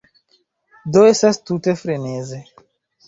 Do estas tute freneze.